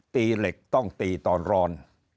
ตีเหล็กต้องตีตอนร้อน